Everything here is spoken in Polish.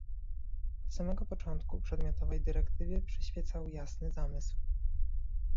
Od samego początku przedmiotowej dyrektywie przyświecał jasny zamysł